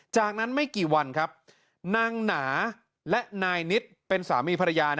จากนั้นไม่กี่วันครับนางหนาและนายนิดเป็นสามีภรรยา